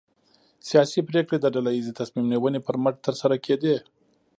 سیاسي پرېکړې د ډله ییزې تصمیم نیونې پر مټ ترسره کېدې.